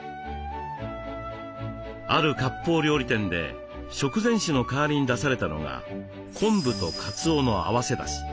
ある割烹料理店で食前酒の代わりに出されたのが昆布とかつおの合わせだし。